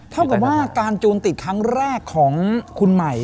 เท่ากับว่าการจูนติดครั้งแรกของคุณใหม่